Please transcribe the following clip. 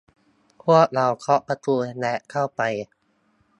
พวกเราเคาะประตู และเข้าไป